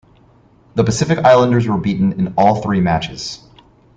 The Pacific Islanders were beaten in all three matches.